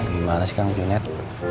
gimana sih kang junet